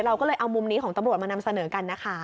เราก็เลยเอามุมนี้ของตำรวจมานำเสนอกันนะคะ